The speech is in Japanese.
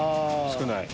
少ない。